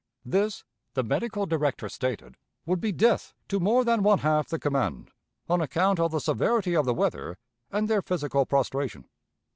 This, the medical director stated, would be death to more than one half the command, on account of the severity of the weather and their physical prostration.